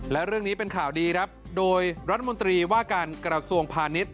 และเรื่องนี้เป็นข่าวดีครับโดยรัฐมนตรีว่าการกระทรวงพาณิชย